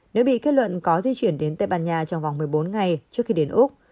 nếu bị kết luận có di chuyển đến tây ban nha trong vòng một mươi bốn ngày trước khi đến úc